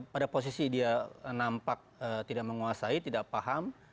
pada posisi dia nampak tidak menguasai tidak paham